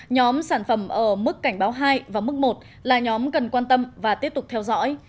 nhóm sản phẩm ở mức cảnh báo hai và mức một là nhóm cần quan tâm và tiếp tục theo dõi